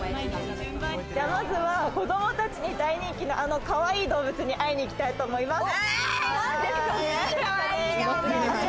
まずは、子供たちに大人気の、あのかわいい動物に会いに行きたいと思います。